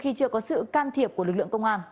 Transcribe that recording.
khi chưa có sự can thiệp của lực lượng công an